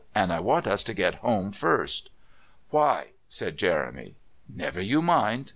"And I want us to get home first." "Why?" said Jeremy. "Never you mind.